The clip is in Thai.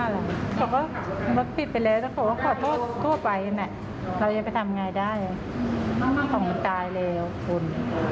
เราอยากไปทำยังไงได้ของตายแล้วคุณ